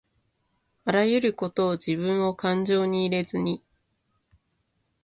あらゆることをじぶんをかんじょうに入れずに